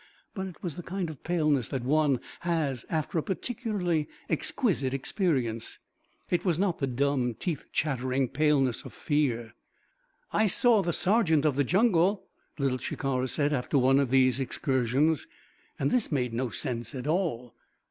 But it was the kind of paleness that one has after a particularly exquisite experience. It was not the dumb, teeth chattering paleness of fear. "I saw the sergeant of the jungle," Little Shikara said after one of these excursions. And this made no sense at all.